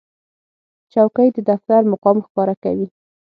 چوکۍ د دفتر مقام ښکاره کوي.